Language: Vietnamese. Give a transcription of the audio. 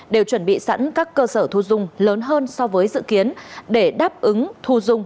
đều chuẩn bị sẵn các cơ sở thu dung lớn hơn so với dự kiến để đáp ứng thu dung